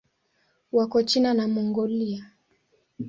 Wako China na Mongolia.